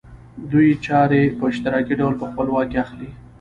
دوی چارې په اشتراکي ډول په خپل واک کې اخلي